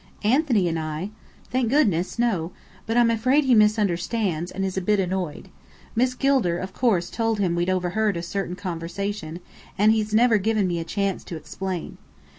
"Anthony and I! Thank goodness, no. But I'm afraid he misunderstands, and is a bit annoyed. Miss Gilder of course told him we'd overheard a certain conversation, and he's never given me a chance to explain.